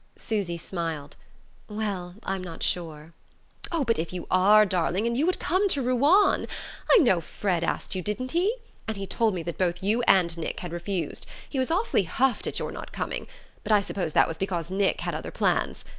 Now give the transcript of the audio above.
Susy smiled. "Well, I'm not sure." "Oh, but if you are, darling, and you would come to Ruan! I know Fred asked you didn't he? And he told me that both you and Nick had refused. He was awfully huffed at your not coming; but I suppose that was because Nick had other plans.